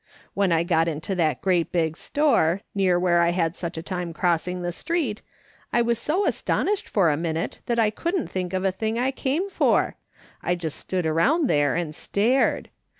When I got into that great big store, near where I had such a time crossing the street, I was so astonished for a minute that I couldn't think of a thing I came for ; I just stood around there and stared.